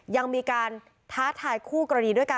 ยังมีการท้าทายคู่กรณีด้วยกัน